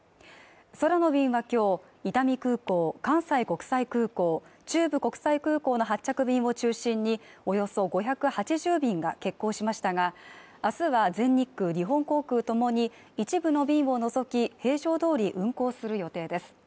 空の便はきょう伊丹空港関西国際空港中部国際空港の発着便を中心におよそ５８０便が欠航しましたがあすは全日空日本航空ともに一部の便を除き平常どおり運行する予定です